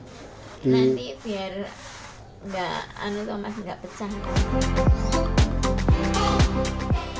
nanti biar anu thomas nggak pecah